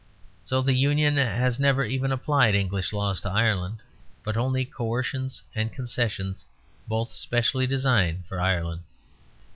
So the Union has never even applied English laws to Ireland, but only coercions and concessions both specially designed for Ireland.